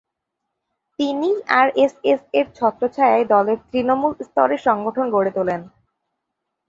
তিনিই আরএসএস-এর ছত্রছায়ায় দলের তৃণমূল স্তরের সংগঠন গড়ে তোলেন।